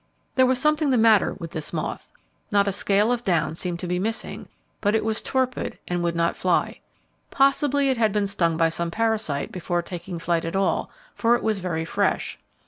There was something the matter with this moth. Not a scale of down seemed to be missing, but it was torpid and would not fly. Possibly it had been stung by some parasite before taking flight at all, for it was very fresh.